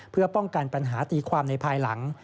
เพื่อป้องกันปัญหาตีความในภายหลัง